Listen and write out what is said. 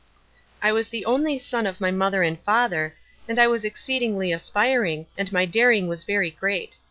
"I was the only son of my mother and father, and I was exceedingly aspiring, and my daring was very great.